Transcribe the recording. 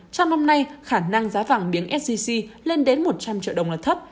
trong năm nay khả năng giá vàng miếng sgc lên đến một trăm linh triệu đồng là thấp